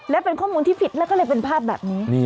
และเป็นข้อมูลที่ผิดแล้วก็เลยเป็นภาพแบบนี้